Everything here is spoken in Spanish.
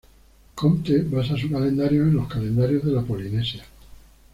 Comte basa su calendario en los calendarios de la Polinesia.